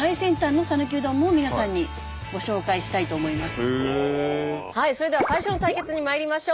今はいそれでは最初の対決にまいりましょう。